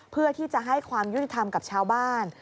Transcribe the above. เพื่อที่จะให้ความยุติธรรมกับชาวบ้าน